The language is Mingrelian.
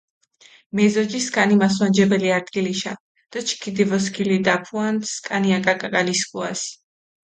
მეზოჯი სქანი მასვანჯებელი არდგილიშა დო ჩქი დჷვოსქილიდაფუანთ სქანი აკა კაკალი სქუას.